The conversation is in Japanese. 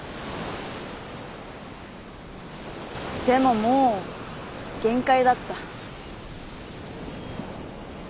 でももう限界だった。